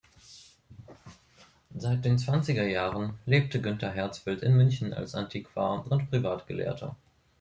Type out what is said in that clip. Seit den zwanziger Jahren lebte Günther Herzfeld in München als Antiquar und Privatgelehrter.